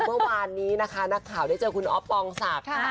เมื่อวานนี้นะคะนักข่าวได้เจอคุณอ๊อฟปองศักดิ์ค่ะ